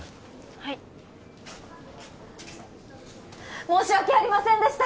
はい申し訳ありませんでした！